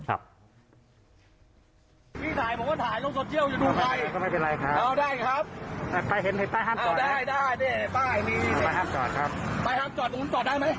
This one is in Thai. ไปล็อคตรงนี้ไปล็อคตรงนี้ผมไม่ได้แล้วก็ทำที่หลอกมา